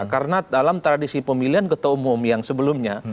karena dalam tradisi pemilihan kota umum yang sebelumnya